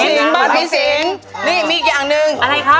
หน้ามีอีกอย่างหนึ่ง